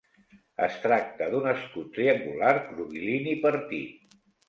Es tracta d'un escut triangular curvilini partit.